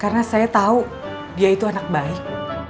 karena saya tahu dia itu anak baik